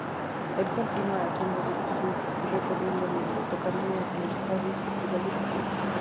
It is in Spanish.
Él continúa haciendo Discos y recorriendo el mundo, tocando en estadios, festivales y clubes.